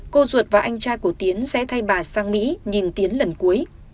cô ruột và anh trai của tiến sẽ thay bà sang mỹ nhìn tiến lần cuối